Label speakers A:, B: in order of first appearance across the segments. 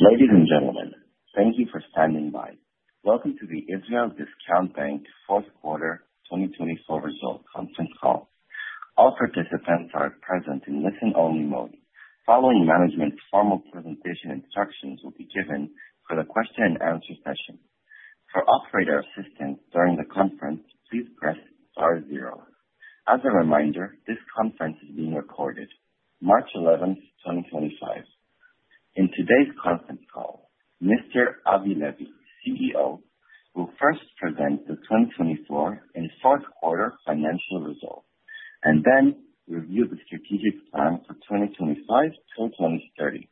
A: Ladies and gentlemen, thank you for standing by. Welcome to the Israel Discount Bank Fourth Quarter 2024 Results Conference Call. All participants are present in listen-only mode. Following management's formal presentation, instructions will be given for the question-and-answer session. For operator assistance during the conference, please press star zero. As a reminder, this conference is being recorded. March 11th, 2025. In today's conference call, Mr. Avi Levi, CEO, will first present the 2024 and fourth quarter financial results and then review the strategic plan for 2025-2030.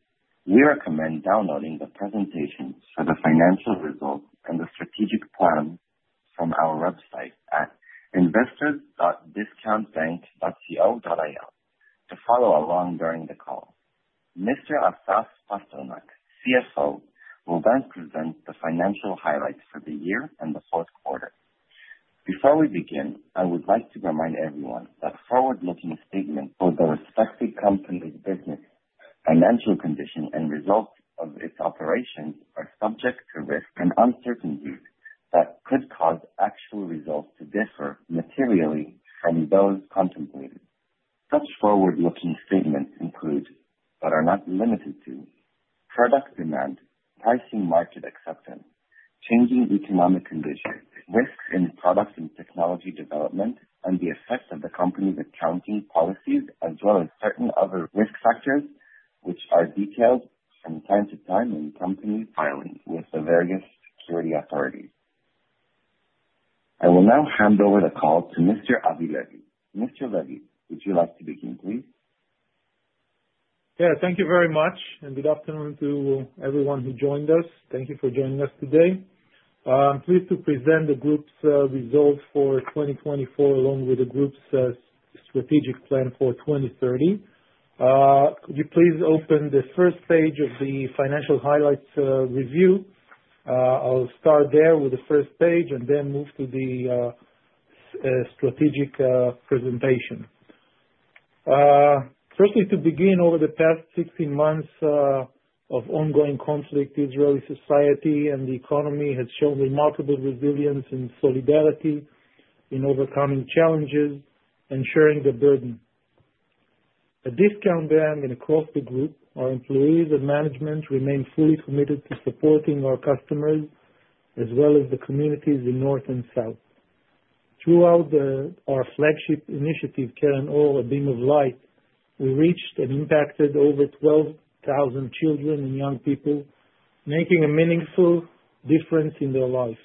A: We recommend downloading the presentations for the financial results and the strategic plan from our website at investors.discountbank.co.il to follow along during the call. Mr. Asaf Pasternak, CFO, will then present the financial highlights for the year and the fourth quarter. Before we begin, I would like to remind everyone that forward-looking statements for the respective company's business, financial condition, and results of its operations are subject to risks and uncertainties that could cause actual results to differ materially from those contemplated. Such forward-looking statements include, but are not limited to, product demand, pricing, market acceptance, changing economic conditions, risks in product and technology development, and the effects of the company's accounting policies as well as certain other risk factors, which are detailed from time to time in company filings with the various security authorities. I will now hand over the call to Mr. Avi Levi. Mr. Levi, would you like to begin, please?
B: Yeah, thank you very much, and good afternoon to everyone who joined us. Thank you for joining us today. I'm pleased to present the group's results for 2024 along with the group's strategic plan for 2030. Could you please open the first page of the financial highlights review? I'll start there with the first page and then move to the strategic presentation. Firstly, to begin, over the past 16 months of ongoing conflict, Israeli society and the economy have shown remarkable resilience and solidarity in overcoming challenges, ensuring the burden. At Discount Bank and across the group, our employees and management remain fully committed to supporting our customers as well as the communities in North and South. Throughout our flagship initiative, Keren Or, A Beam of Light, we reached and impacted over 12,000 children and young people, making a meaningful difference in their lives.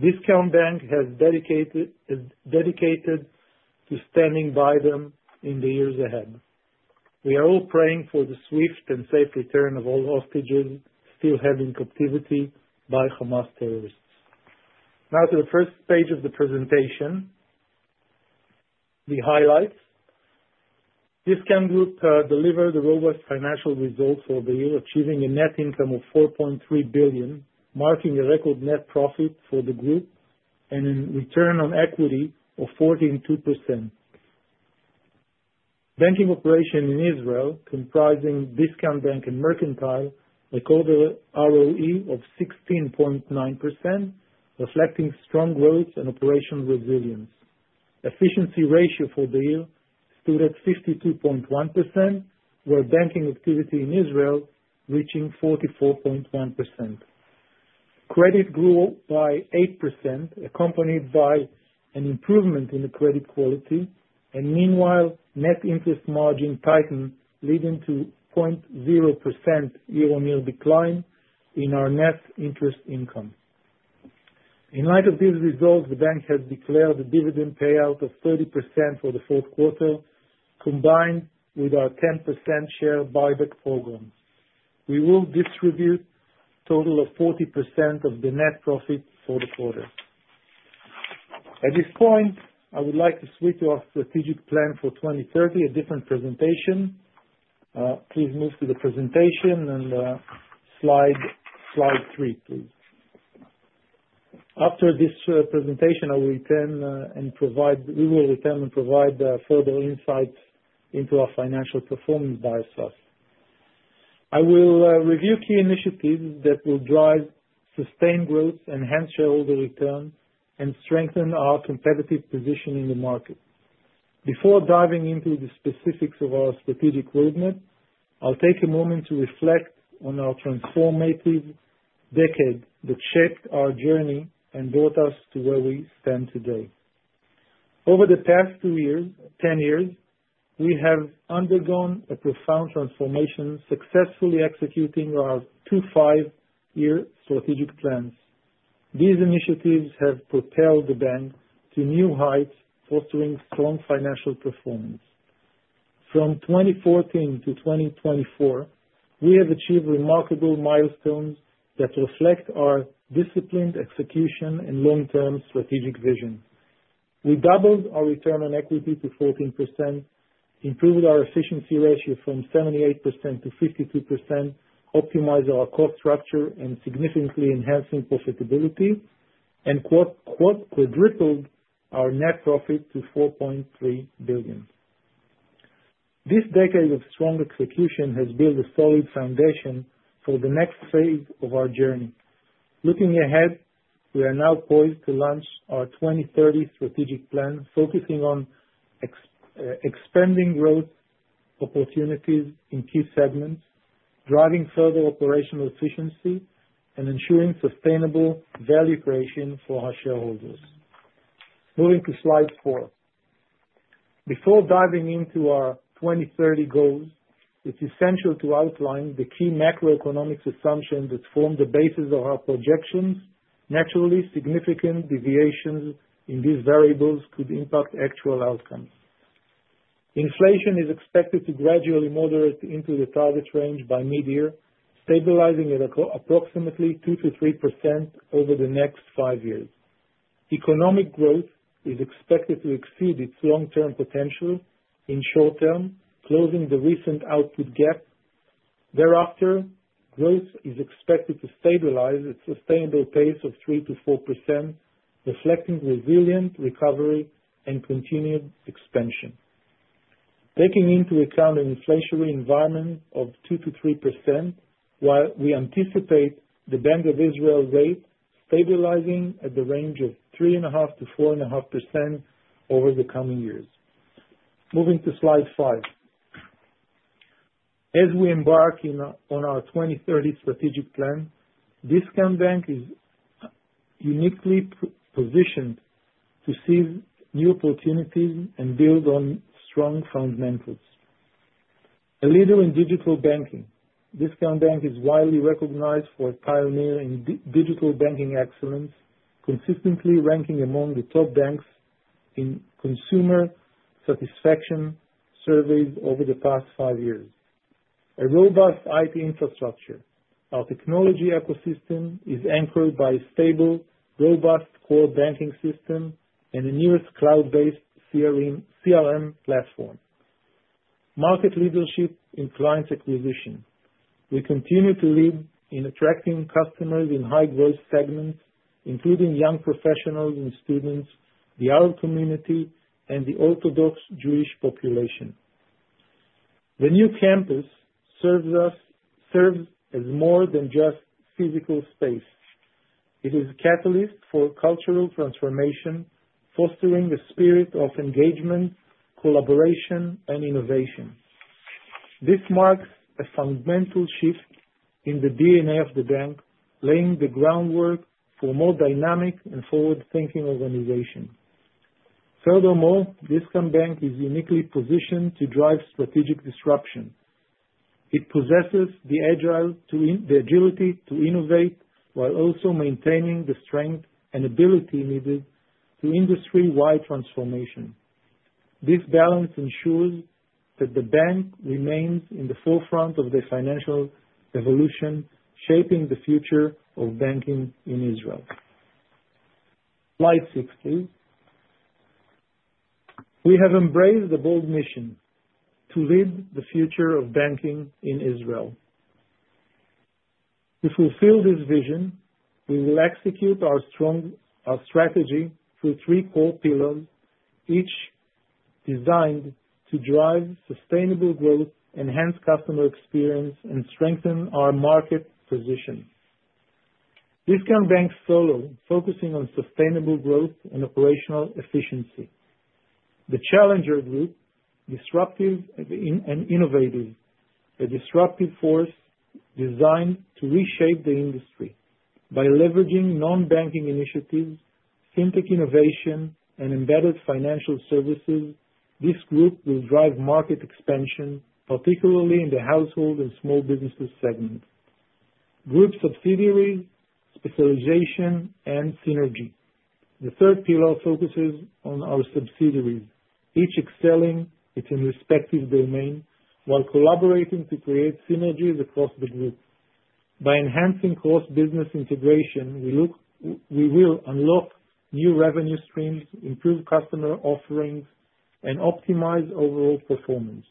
B: Discount Bank has dedicated to standing by them in the years ahead. We are all praying for the swift and safe return of all hostages still held in captivity by Hamas terrorists. Now to the first page of the presentation, the highlights. Discount Group delivered robust financial results for the year, achieving a net income of 4.3 billion, marking a record net profit for the group and a return on equity of 42%. Banking operations in Israel, comprising Discount Bank and Mercantile, recorded an ROE of 16.9%, reflecting strong growth and operational resilience. Efficiency ratio for the year stood at 52.1%, with banking activity in Israel reaching 44.1%. Credit grew by 8%, accompanied by an improvement in the credit quality, and meanwhile, net interest margin tightened, leading to a 0.0% year-on-year decline in our net interest income. In light of these results, the bank has declared a dividend payout of 30% for the fourth quarter, combined with our 10% share buyback program. We will distribute a total of 40% of the net profit for the quarter. At this point, I would like to switch to our strategic plan for 2030, a different presentation. Please move to the presentation and slide three, please. After this presentation, I will return and provide—we will return and provide further insights into our financial performance by Asaf. I will review key initiatives that will drive sustained growth, enhance shareholder return, and strengthen our competitive position in the market. Before diving into the specifics of our strategic roadmap, I'll take a moment to reflect on our transformative decade that shaped our journey and brought us to where we stand today. Over the past 10 years, we have undergone a profound transformation, successfully executing our two five-year strategic plans. These initiatives have propelled the bank to new heights, fostering strong financial performance. From 2014 to 2024, we have achieved remarkable milestones that reflect our disciplined execution and long-term strategic vision. We doubled our return on equity to 14%, improved our efficiency ratio from 78% to 52%, optimized our cost structure and significantly enhanced profitability, and quadrupled our net profit to 4.3 billion. This decade of strong execution has built a solid foundation for the next phase of our journey. Looking ahead, we are now poised to launch our 2030 strategic plan, focusing on expanding growth opportunities in key segments, driving further operational efficiency, and ensuring sustainable value creation for our shareholders. Moving to slide four. Before diving into our 2030 goals, it's essential to outline the key macroeconomic assumptions that form the basis of our projections. Naturally, significant deviations in these variables could impact actual outcomes. Inflation is expected to gradually moderate into the target range by mid-year, stabilizing at approximately 2-3% over the next five years. Economic growth is expected to exceed its long-term potential in short term, closing the recent output gap. Thereafter, growth is expected to stabilize at a sustainable pace of 3-4%, reflecting resilient recovery and continued expansion. Taking into account an inflationary environment of 2-3%, we anticipate the Bank of Israel rate stabilizing at the range of 3.5-4.5% over the coming years. Moving to slide five. As we embark on our 2030 strategic plan, Discount Bank is uniquely positioned to seize new opportunities and build on strong fundamentals. A leader in digital banking, Discount Bank is widely recognized for its pioneering digital banking excellence, consistently ranking among the top banks in consumer satisfaction surveys over the past five years. A robust IT infrastructure, our technology ecosystem is anchored by a stable, robust core banking system and a nearest cloud-based CRM platform. Market leadership in client acquisition. We continue to lead in attracting customers in high-growth segments, including young professionals and students, the Arab community, and the Orthodox Jewish population. The new campus serves us as more than just physical space. It is a catalyst for cultural transformation, fostering the spirit of engagement, collaboration, and innovation. This marks a fundamental shift in the DNA of the bank, laying the groundwork for more dynamic and forward-thinking organizations. Furthermore, Discount Bank is uniquely positioned to drive strategic disruption. It possesses the agile to innovate while also maintaining the strength and ability needed for industry-wide transformation. This balance ensures that the bank remains in the forefront of the financial evolution, shaping the future of banking in Israel. Slide six, please. We have embraced a bold mission to lead the future of banking in Israel. To fulfill this vision, we will execute our strategy through three core pillars, each designed to drive sustainable growth, enhance customer experience, and strengthen our market position. Discount Bank Solo, focusing on sustainable growth and operational efficiency. The Challenger Group, disruptive and innovative, a disruptive force designed to reshape the industry. By leveraging non-banking initiatives, fintech innovation, and embedded financial services, this group will drive market expansion, particularly in the household and small businesses segment. Group subsidiaries, specialization, and synergy. The third pillar focuses on our subsidiaries, each excelling in its respective domain while collaborating to create synergies across the group. By enhancing cross-business integration, we will unlock new revenue streams, improve customer offerings, and optimize overall performance.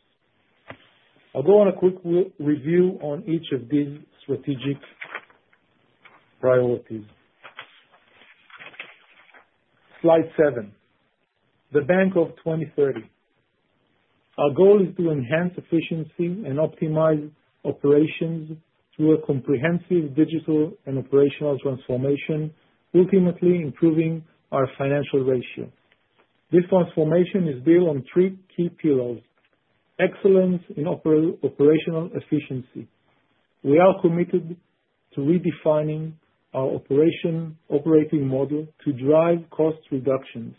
B: I'll go on a quick review on each of these strategic priorities. Slide seven, the Bank of 2030. Our goal is to enhance efficiency and optimize operations through a comprehensive digital and operational transformation, ultimately improving our financial ratio. This transformation is built on three key pillars: excellence in operational efficiency. We are committed to redefining our operating model to drive cost reductions,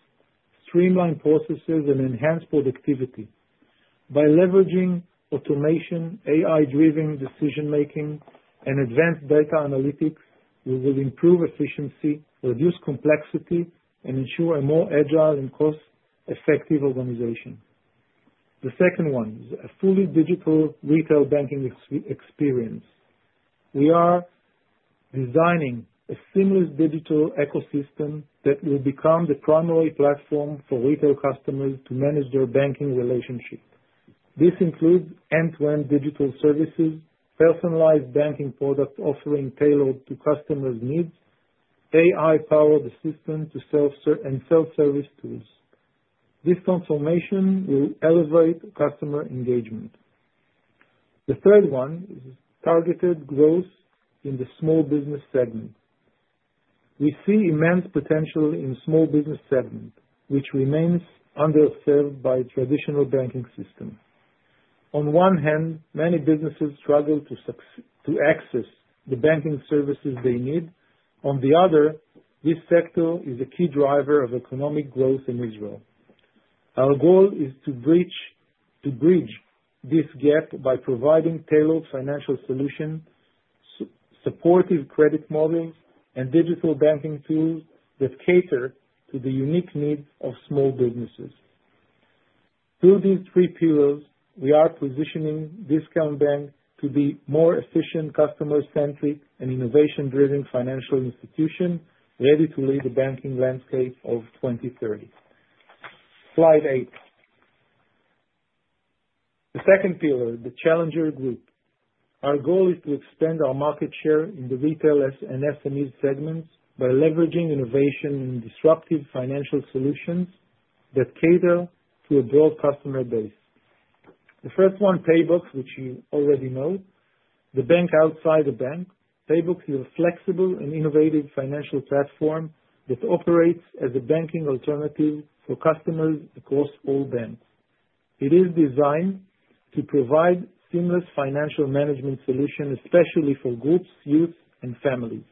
B: streamline processes, and enhance productivity. By leveraging automation, AI-driven decision-making, and advanced data analytics, we will improve efficiency, reduce complexity, and ensure a more agile and cost-effective organization. The second one is a fully digital retail banking experience. We are designing a seamless digital ecosystem that will become the primary platform for retail customers to manage their banking relationship. This includes end-to-end digital services, personalized banking product offering tailored to customers' needs, AI-powered assistants, and self-service tools. This transformation will elevate customer engagement. The third one is targeted growth in the small business segment. We see immense potential in the small business segment, which remains underserved by the traditional banking system. On one hand, many businesses struggle to access the banking services they need. On the other, this sector is a key driver of economic growth in Israel. Our goal is to bridge this gap by providing tailored financial solutions, supportive credit models, and digital banking tools that cater to the unique needs of small businesses. Through these three pillars, we are positioning Discount Bank to be a more efficient, customer-centric, and innovation-driven financial institution ready to lead the banking landscape of 2030. Slide eight. The second pillar, the Challenger Group. Our goal is to extend our market share in the retail and SME segments by leveraging innovation in disruptive financial solutions that cater to a broad customer base. The first one, PayBox, which you already know, the bank outside the bank, PayBox, is a flexible and innovative financial platform that operates as a banking alternative for customers across all banks. It is designed to provide seamless financial management solutions, especially for groups, youth, and families.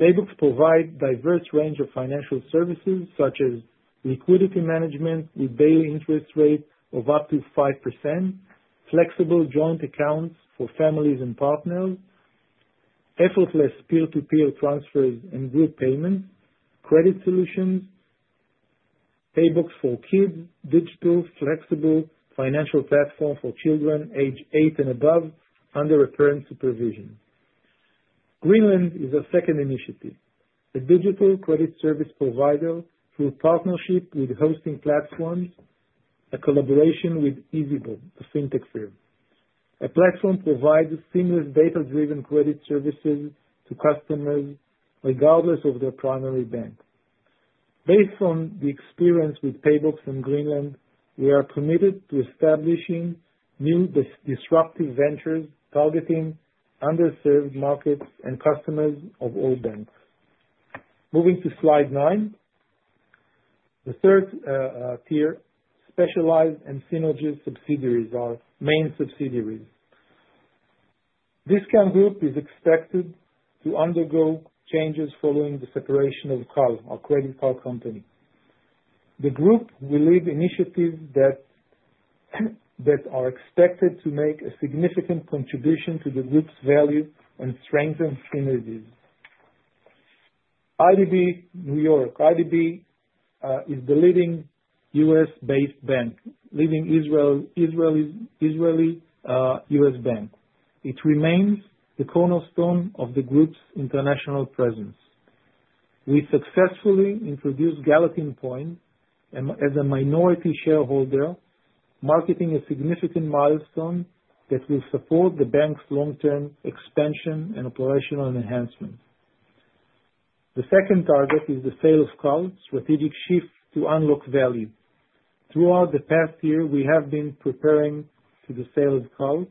B: PayBox provides a diverse range of financial services, such as liquidity management with daily interest rates of up to 5%, flexible joint accounts for families and partners, effortless peer-to-peer transfers and group payments, credit solutions, PayBox for kids, digital flexible financial platform for children aged eight and above under a parent's supervision. GreenLend is a second initiative, a digital credit service provider through partnership with hosting platforms, a collaboration with Ezbob, a fintech firm. A platform provides seamless data-driven credit services to customers regardless of their primary bank. Based on the experience with PayBox and Green Lend, we are committed to establishing new disruptive ventures targeting underserved markets and customers of all banks. Moving to slide nine, the third tier, specialized and synergist subsidiaries are main subsidiaries. Discount Group is expected to undergo changes following the separation of Cal, our credit card company. The group will lead initiatives that are expected to make a significant contribution to the group's value and strengthen synergies. IDB New York, IDB is the leading US-based bank, leading Israeli US bank. It remains the cornerstone of the group's international presence. We successfully introduced Gallatin Point as a minority shareholder, marking a significant milestone that will support the bank's long-term expansion and operational enhancement. The second target is the sale of Cal, strategic shift to unlock value. Throughout the past year, we have been preparing for the sale of Cal.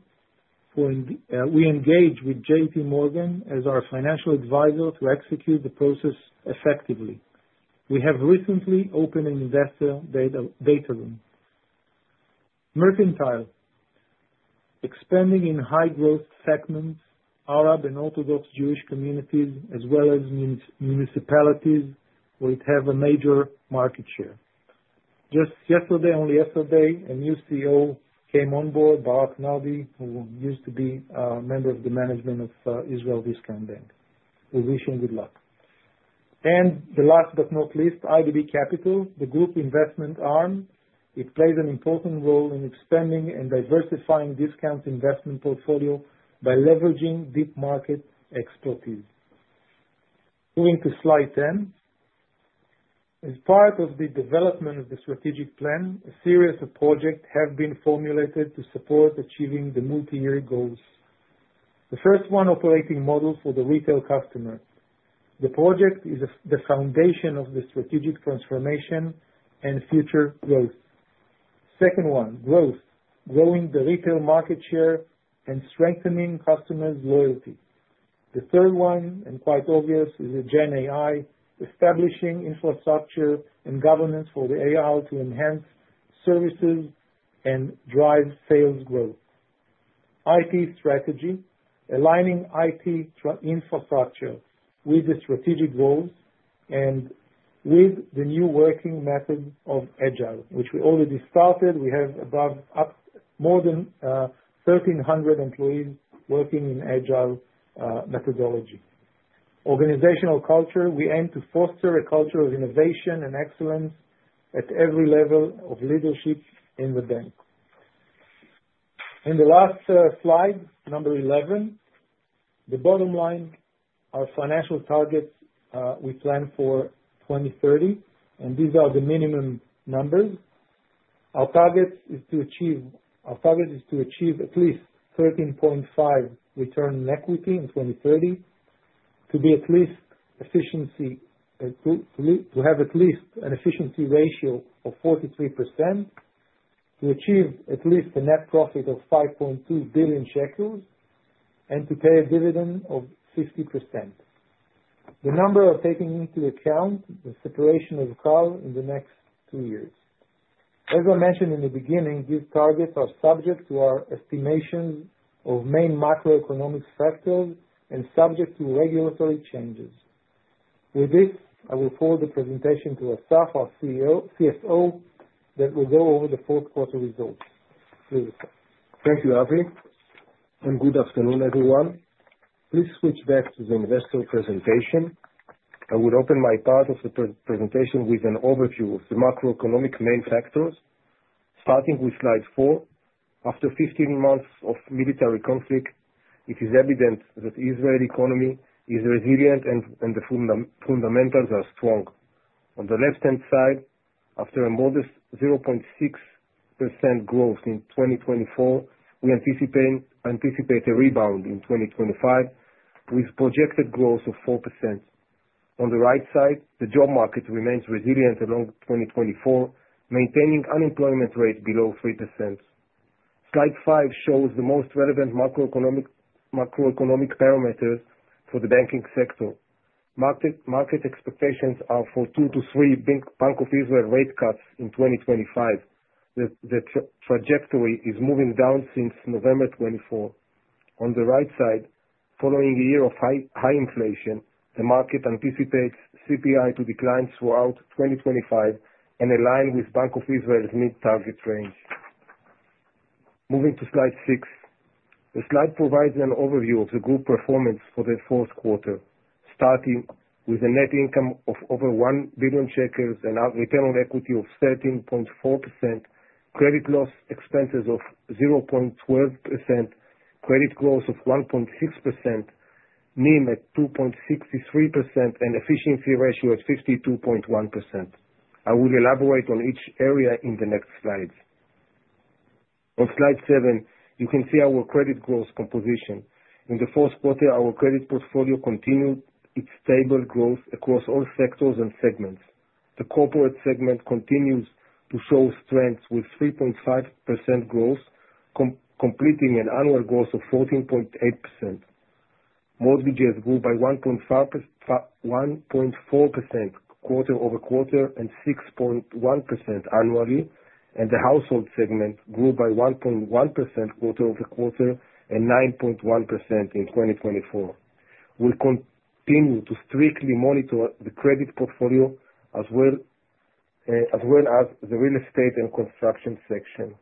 B: We engage with J.P. Morgan as our financial advisor to execute the process effectively. We have recently opened an investor data room. Mercantile, expanding in high-growth segments, Arab and Orthodox Jewish communities, as well as municipalities where it has a major market share. Just yesterday, only yesterday, a new CEO came on board, Barak Nardi, who used to be a member of the management of Israel Discount Bank. We wish him good luck. The last but not least, Discount Capital, the group investment arm, it plays an important role in expanding and diversifying Discount's investment portfolio by leveraging deep market expertise. Moving to slide 10. As part of the development of the strategic plan, a series of projects have been formulated to support achieving the multi-year goals. The first one, operating models for the retail customer. The project is the foundation of the strategic transformation and future growth. Second one, growth, growing the retail market share and strengthening customers' loyalty. The third one, and quite obvious, is the GenAI, establishing infrastructure and governance for the AI to enhance services and drive sales growth. IT strategy, aligning IT infrastructure with the strategic goals and with the new working method of Agile, which we already started. We have more than 1,300 employees working in Agile methodology. Organizational culture, we aim to foster a culture of innovation and excellence at every level of leadership in the bank. The last slide, number 11, the bottom line, our financial targets we plan for 2030, and these are the minimum numbers. Our target is to achieve at least 13.5% return on equity in 2030, to have at least an efficiency ratio of 43%, to achieve at least a net profit of 5.2 billion shekels, and to pay a dividend of 50%. The number of taking into account the separation of Cal in the next two years. As I mentioned in the beginning, these targets are subject to our estimations of main macroeconomic factors and subject to regulatory changes. With this, I will forward the presentation to Asaf, our CFO, that will go over the fourth quarter results. Please, Asaf. Thank you, Avi. And good afternoon, everyone. Please switch back to the investor presentation. I will open my part of the presentation with an overview of the macroeconomic main factors, starting with slide four. After 15 months of military conflict, it is evident that the Israeli economy is resilient and the fundamentals are strong. On the left-hand side, after a modest 0.6% growth in 2024, we anticipate a rebound in 2025 with projected growth of 4%. On the right side, the job market remains resilient along 2024, maintaining unemployment rates below 3%. Slide five shows the most relevant macroeconomic parameters for the banking sector. Market expectations are for two to three Bank of Israel rate cuts in 2025. The trajectory is moving down since November 2024. On the right side, following a year of high inflation, the market anticipates CPI to decline throughout 2025 and align with Bank of Israel's mid-target range. Moving to slide six. The slide provides an overview of the group performance for the fourth quarter, starting with a net income of over 1 billion shekels and a return on equity of 13.4%, credit loss expenses of 0.12%, credit growth of 1.6%, NIM at 2.63%, and efficiency ratio at 52.1%. I will elaborate on each area in the next slides. On slide seven, you can see our credit growth composition. In the fourth quarter, our credit portfolio continued its stable growth across all sectors and segments. The corporate segment continues to show strength with 3.5% growth, completing an annual growth of 14.8%. Mortgages grew by 1.4% quarter over quarter and 6.1% annually, and the household segment grew by 1.1% quarter over quarter and 9.1% in 2024. We continue to strictly monitor the credit portfolio as well as the real estate and construction section.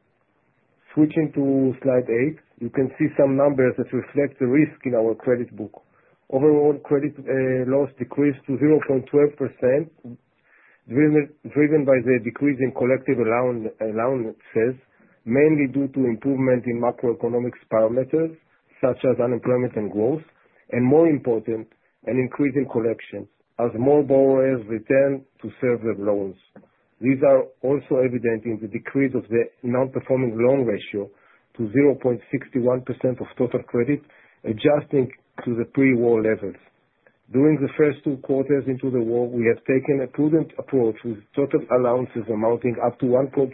B: Switching to slide eight, you can see some numbers that reflect the risk in our credit book. Overall, credit loss decreased to 0.12%, driven by the decrease in collective allowances, mainly due to improvement in macroeconomic parameters such as unemployment and growth, and more important, an increase in collections as more borrowers return to serve their loans. These are also evident in the decrease of the non-performing loan ratio to 0.61% of total credit, adjusting to the pre-war levels. During the first two quarters into the war, we have taken a prudent approach with total allowances amounting up to 1.6%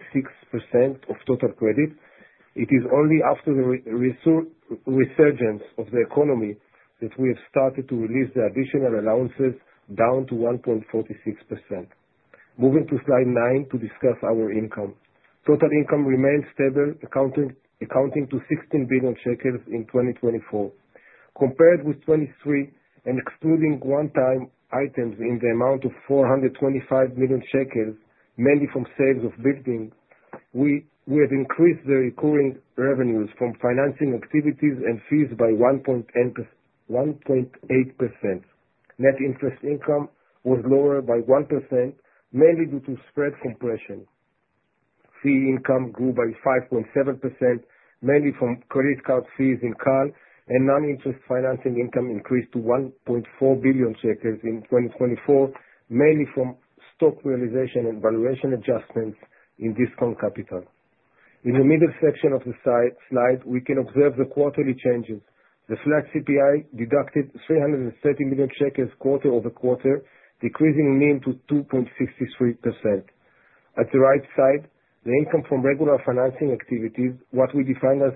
B: of total credit. It is only after the resurgence of the economy that we have started to release the additional allowances down to 1.46%. Moving to slide nine to discuss our income. Total income remains stable, accounting to 16 billion shekels in 2024. Compared with 2023 and excluding one-time items in the amount of 425 million shekels, mainly from sales of buildings, we have increased the recurring revenues from financing activities and fees by 1.8%. Net interest income was lower by 1%, mainly due to spread compression. Fee income grew by 5.7%, mainly from credit card fees in Cal, and non-interest financing income increased to 1.4 billion shekels in 2024, mainly from stock realization and valuation adjustments in Discount Capital. In the middle section of the slide, we can observe the quarterly changes. The flat CPI deducted 330 million shekels quarter over quarter, decreasing NIM to 2.63%. At the right side, the income from regular financing activities, what we define as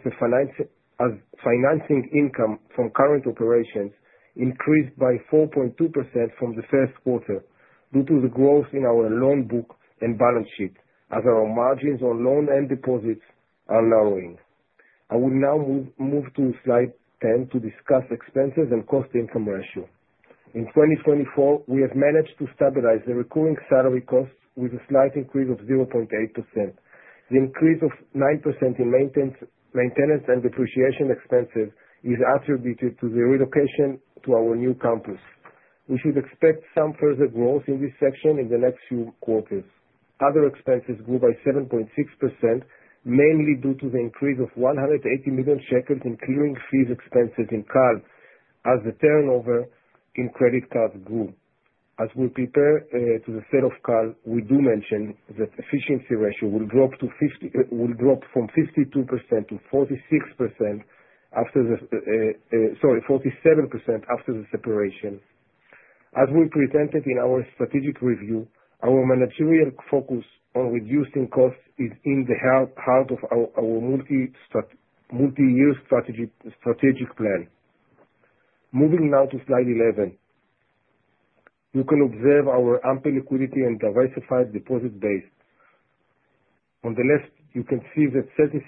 B: financing income from current operations, increased by 4.2% from the first quarter due to the growth in our loan book and balance sheet, as our margins on loan and deposits are narrowing. I will now move to slide 10 to discuss expenses and cost income ratio. In 2024, we have managed to stabilize the recurring salary costs with a slight increase of 0.8%. The increase of 9% in maintenance and depreciation expenses is attributed to the relocation to our new campus. We should expect some further growth in this section in the next few quarters. Other expenses grew by 7.6%, mainly due to the increase of 180 million shekels in clearing fees expenses in Cal, as the turnover in credit cards grew. As we prepare to the sale of Cal, we do mention that efficiency ratio will drop from 52% to 47% after the separation. As we presented in our strategic review, our managerial focus on reducing costs is in the heart of our multi-year strategic plan. Moving now to slide 11, you can observe our ample liquidity and diversified deposit base. On the left, you can see that 76%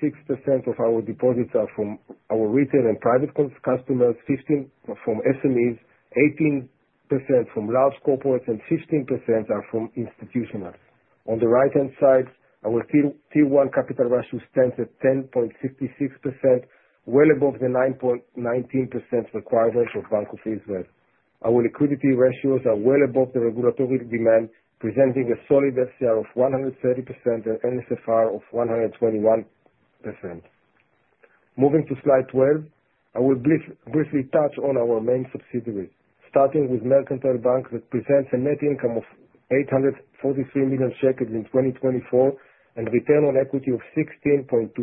B: of our deposits are from our retail and private customers, 15% from SMEs, 18% from large corporates, and 15% are from institutions. On the right-hand side, our tier one capital ratio stands at 10.66%, well above the 9.19% requirement of Bank of Israel. Our liquidity ratios are well above the regulatory demand, presenting a solid LCR of 130% and NSFR of 121%. Moving to slide 12, I will briefly touch on our main subsidiaries, starting with Mercantile Bank, that presents a net income of 843 million shekels in 2024 and a return on equity of 16.2%.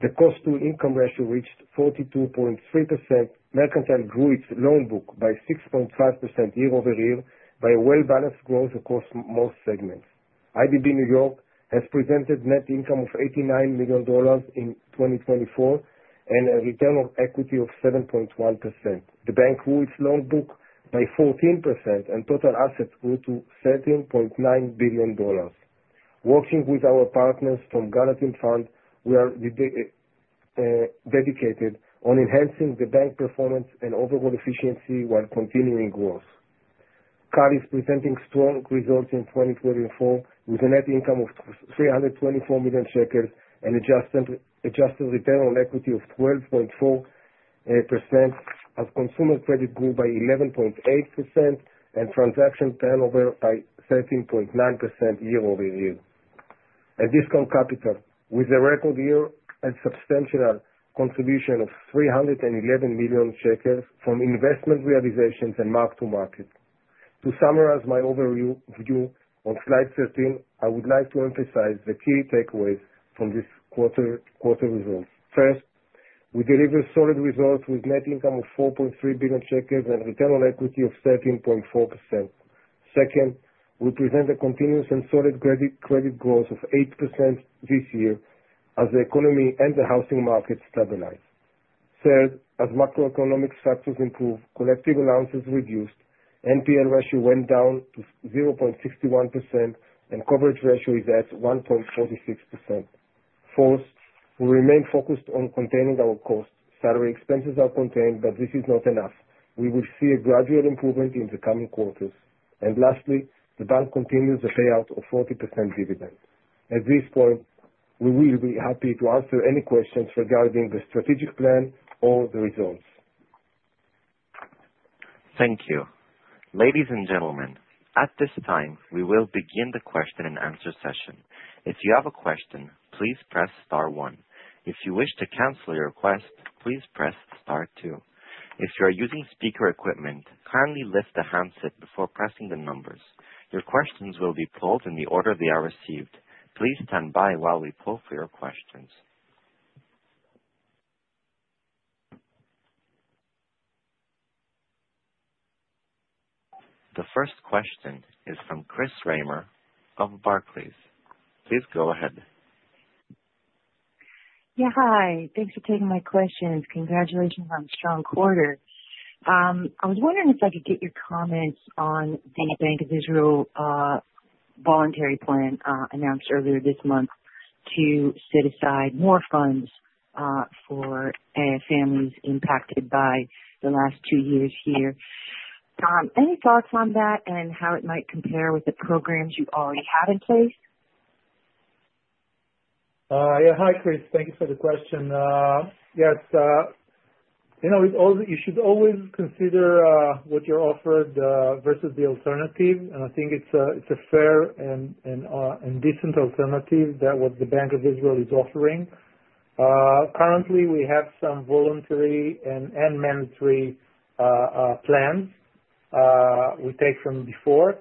B: The cost-to-income ratio reached 42.3%. Mercantile grew its loan book by 6.5% year over year by a well-balanced growth across most segments. IDB New York has presented net income of $89 million in 2024 and a return on equity of 7.1%. The bank grew its loan book by 14%, and total assets grew to $13.9 billion. Working with our partners from Gallatin Point, we are dedicated to enhancing the bank performance and overall efficiency while continuing growth. Cal is presenting strong results in 2024, with a net income of 324 million shekels and an adjusted return on equity of 12.4%, as consumer credit grew by 11.8% and transaction turnover by 13.9% year over year. At Discount Capital, with a record year and substantial contribution of 311 million shekels from investment realizations and mark-to-market. To summarize my overview on slide 13, I would like to emphasize the key takeaways from this quarter results. First, we deliver solid results with net income of 4.3 billion shekels and a return on equity of 13.4%. Second, we present a continuous and solid credit growth of 8% this year as the economy and the housing market stabilize. Third, as macroeconomic factors improve, collective allowances reduced, NPL ratio went down to 0.61%, and coverage ratio is at 1.46%. Fourth, we remain focused on containing our costs. Salary expenses are contained, but this is not enough. We will see a gradual improvement in the coming quarters. Lastly, the bank continues the payout of 40% dividend. At this point, we will be happy to answer any questions regarding the strategic plan or the results.
A: Thank you. Ladies and gentlemen, at this time, we will begin the question and answer session. If you have a question, please press star one. If you wish to cancel your request, please press star two. If you are using speaker equipment, kindly lift the handset before pressing the numbers. Your questions will be pulled in the order they are received. Please stand by while we pull for your questions. The first question is from Chris Reimer of Barclays. Please go ahead.
C: Yeah, hi. Thanks for taking my questions. Congratulations on a strong quarter. I was wondering if I could get your comments on the Bank of Israel voluntary plan announced earlier this month to set aside more funds for families impacted by the last two years here. Any thoughts on that and how it might compare with the programs you already have in place?
B: Yeah, hi, Chris. Thank you for the question. Yes, you should always consider what you're offered versus the alternative. I think it's a fair and decent alternative that what the Bank of Israel is offering. Currently, we have some voluntary and mandatory plans we take from before.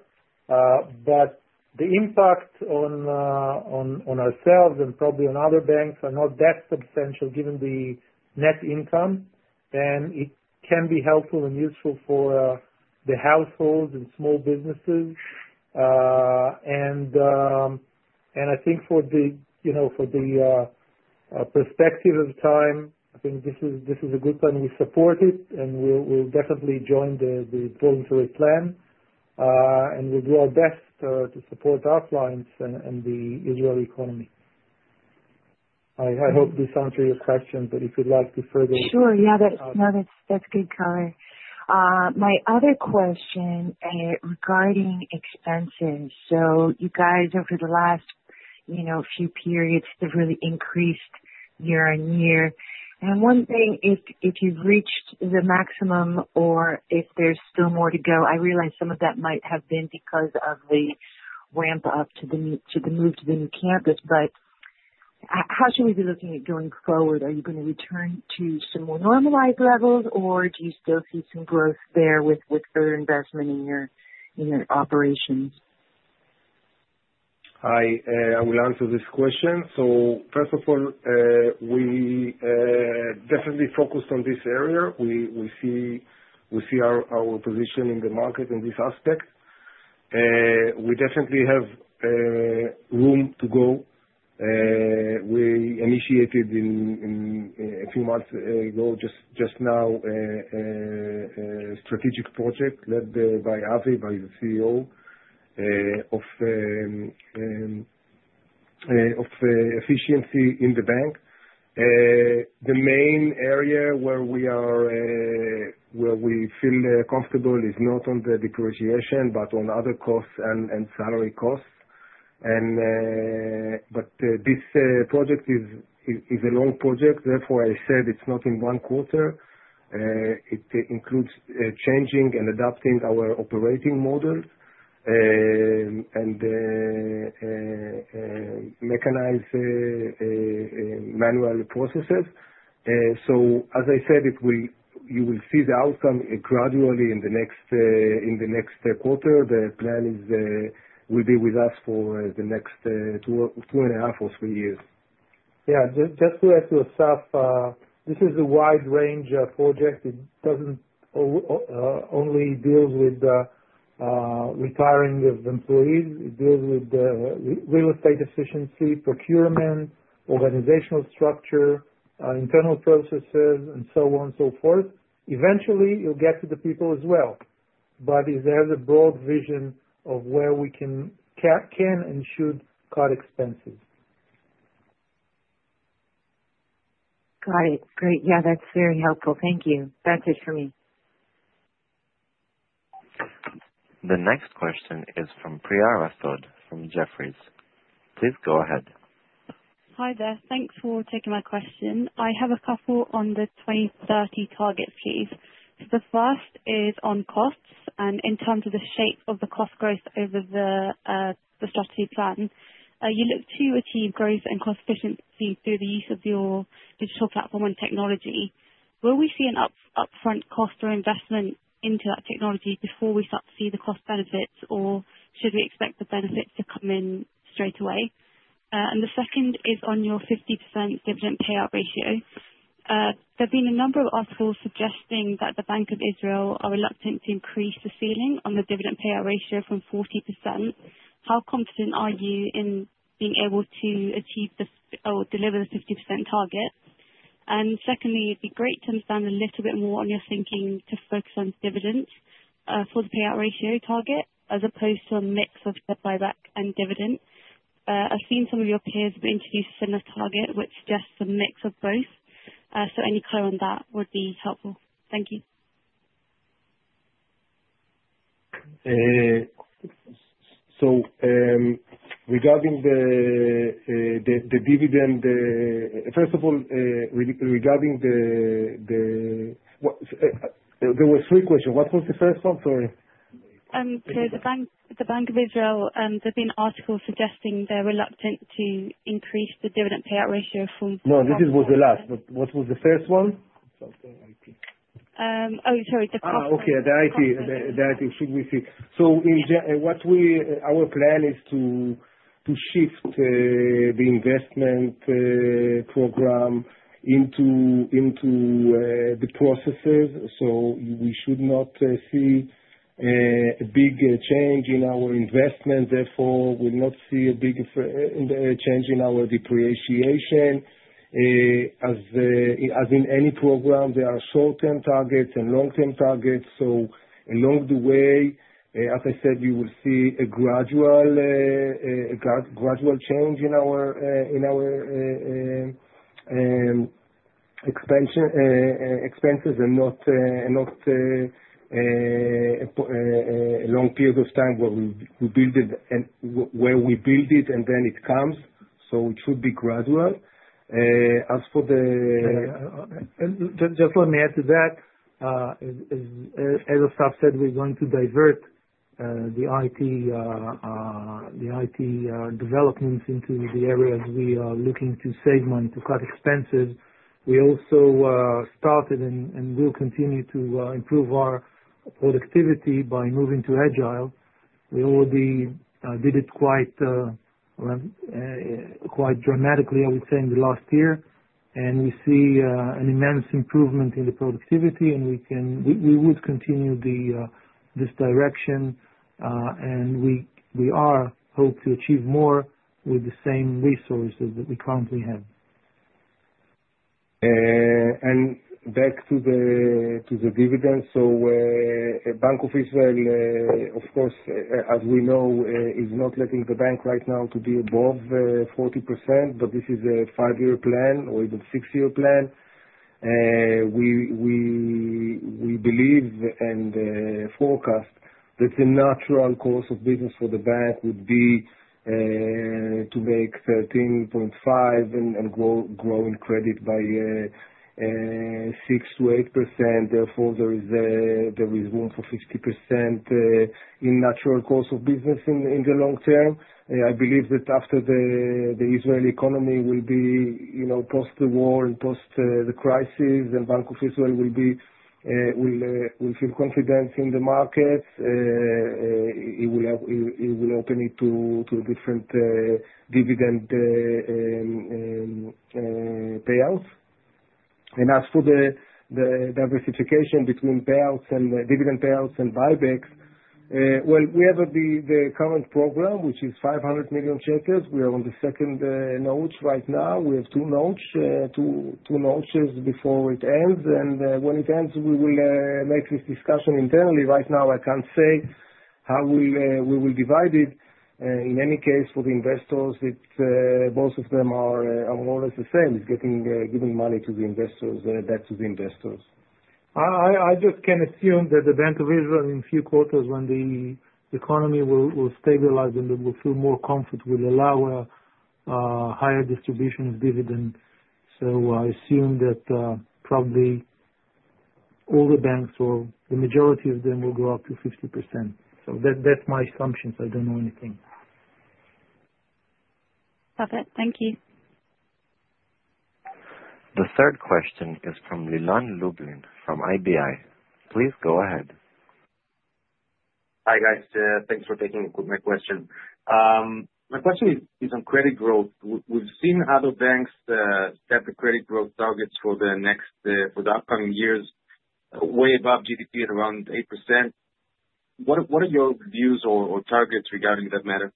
B: The impact on ourselves and probably on other banks are not that substantial given the net income. It can be helpful and useful for the households and small businesses. I think for the perspective of time, I think this is a good plan. We support it, and we'll definitely join the voluntary plan. We'll do our best to support our clients and the Israeli economy. I hope this answers your question, but if you'd like to further—
C: Sure. Yeah, that's good, Avi. My other question regarding expenses. You guys, over the last few periods, have really increased year on year. One thing, if you've reached the maximum or if there's still more to go, I realize some of that might have been because of the ramp-up to the move to the new campus. How should we be looking at going forward? Are you going to return to some more normalized levels, or do you still see some growth there with further investment in your operations?
D: I will answer this question. First of all, we definitely focused on this area. We see our position in the market in this aspect. We definitely have room to go. We initiated a few months ago, just now, a strategic project led by Avi, by the CEO, of efficiency in the bank. The main area where we feel comfortable is not on the depreciation, but on other costs and salary costs. This project is a long project. Therefore, I said it's not in one quarter. It includes changing and adapting our operating model and mechanizing manual processes. As I said, you will see the outcome gradually in the next quarter. The plan will be with us for the next two and a half or three years.
B: Yeah, just to add to yourself, this is a wide-range project. It doesn't only deal with the retiring of employees. It deals with real estate efficiency, procurement, organizational structure, internal processes, and so on and so forth. Eventually, you'll get to the people as well. It has a broad vision of where we can and should cut expenses.
C: Got it. Great. Yeah, that's very helpful. Thank you. That's it for me.
A: The next question is from Priya Rohira from Jefferies. Please go ahead.
E: Hi there. Thanks for taking my question. I have a couple on the 2030 targets, please. The first is on costs and in terms of the shape of the cost growth over the strategy plan. You look to achieve growth and cost efficiency through the use of your digital platform and technology. Will we see an upfront cost or investment into that technology before we start to see the cost benefits, or should we expect the benefits to come in straight away? The second is on your 50% dividend payout ratio. There have been a number of articles suggesting that the Bank of Israel are reluctant to increase the ceiling on the dividend payout ratio from 40%. How confident are you in being able to achieve or deliver the 50% target? It would be great to understand a little bit more on your thinking to focus on dividends for the payout ratio target as opposed to a mix of step-by-step and dividend. I've seen some of your peers have introduced a similar target, which suggests a mix of both. Any color on that would be helpful. Thank you.
D: Regarding the dividend, first of all, regarding the—there were three questions. What was the first one? Sorry.
E: The Bank of Israel, there have been articles suggesting they're reluctant to increase the dividend payout ratio from 40%.
D: No, this was the last. What was the first one?
B: Something IT.
E: Oh, sorry. The cost.
D: Okay, the IT. The IT. Should we see? Our plan is to shift the investment program into the processes. We should not see a big change in our investment. Therefore, we'll not see a big change in our depreciation. As in any program, there are short-term targets and long-term targets. Along the way, as I said, you will see a gradual change in our expenses and not a long period of time where we build it and then it comes. It should be gradual. Just let me add to that. As Asaf said, we're going to divert the IT developments into the areas we are looking to save money, to cut expenses. We also started and will continue to improve our productivity by moving to agile. We already did it quite dramatically, I would say, in the last year. We see an immense improvement in the productivity. We would continue this direction. We are hoping to achieve more with the same resources that we currently have. Back to the dividends. Bank of Israel, of course, as we know, is not letting the bank right now to be above 40%. This is a five-year plan or even six-year plan. We believe and forecast that the natural course of business for the bank would be to make 13.5% and grow in credit by 6-8%. Therefore, there is room for 50% in natural course of business in the long term. I believe that after the Israeli economy will be post-war and post-crisis, the Bank of Israel will feel confident in the markets. It will open it to different dividend payouts. As for the diversification between dividend payouts and buybacks, we have the current program, which is 500 million shekels. We are on the second notch right now. We have two notches before it ends. When it ends, we will make this discussion internally. Right now, I can't say how we will divide it. In any case, for the investors, both of them are more or less the same. It's giving money back to the investors. I just can assume that the Bank of Israel, in a few quarters, when the economy will stabilize and they will feel more confident, will allow a higher distribution of dividends. I assume that probably all the banks, or the majority of them, will go up to 50%. That's my assumptions. I don't know anything.
E: Got it. Thank you.
A: The third question is from Liran Lublin from IBI. Please go ahead.
F: Hi, guys. Thanks for taking my question. My question is on credit growth. We've seen other banks set the credit growth targets for the upcoming years way above GDP at around 8%. What are your views or targets regarding that matter?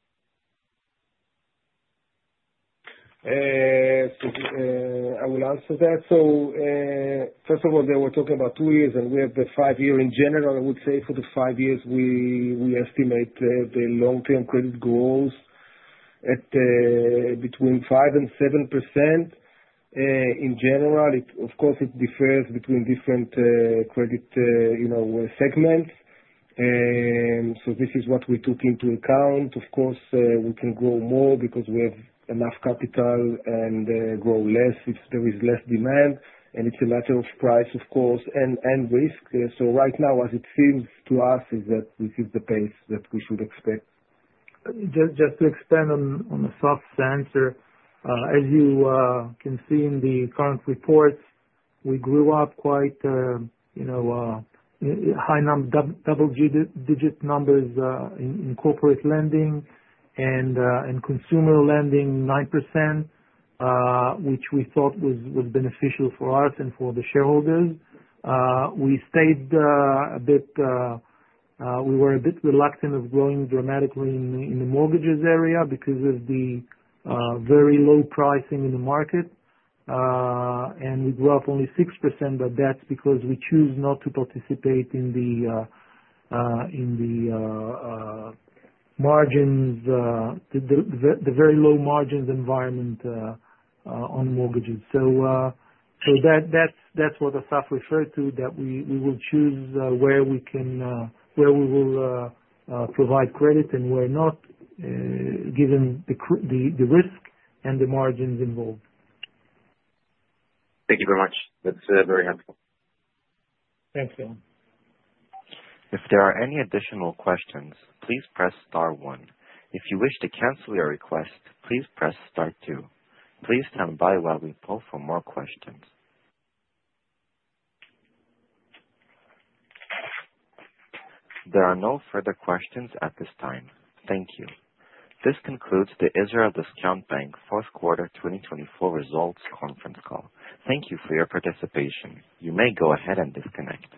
D: I will answer that. First of all, they were talking about two years, and we have the five-year in general. I would say for the five years, we estimate the long-term credit goals at between 5% and 7%. In general, of course, it differs between different credit segments. This is what we took into account. Of course, we can grow more because we have enough capital and grow less if there is less demand. It's a matter of price, of course, and risk. Right now, as it seems to us, this is the pace that we should expect.
B: Just to expand on Asaf's answer, as you can see in the current reports, we grew up quite high double-digit numbers in corporate lending and consumer lending, 9%, which we thought was beneficial for us and for the shareholders. We stayed a bit, we were a bit reluctant of growing dramatically in the mortgages area because of the very low pricing in the market. We grew up only 6%, but that's because we choose not to participate in the margins, the very low margins environment on mortgages. That's what Asaf referred to, that we will choose where we will provide credit and where not, given the risk and the margins involved.
F: Thank you very much. That's very helpful.
B: Thanks, Liran.
A: If there are any additional questions, please press star one. If you wish to cancel your request, please press star two. Please stand by while we pull for more questions. There are no further questions at this time. Thank you. This concludes the Israel Discount Bank Fourth Quarter 2024 Results Conference Call. Thank you for your participation. You may go ahead and disconnect.